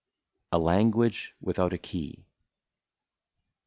146 A LANGUAGE WITHOUT A KEY.